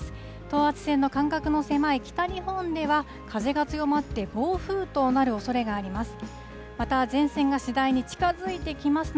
等圧線の間隔の狭い北日本では、風が強まって暴風となるおそれがあります。